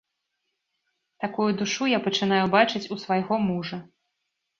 Такую душу я пачынаю бачыць у свайго мужа.